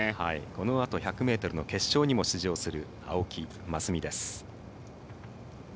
このあと、１００ｍの決勝にも出場する青木益未です。